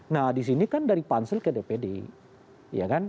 nah di sini kan dari pansel ke dpd